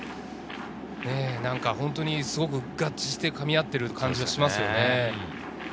何か本当にすごく合致してかみ合っている感じがします。